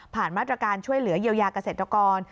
มาตรการช่วยเหลือเยียวยาเกษตรกร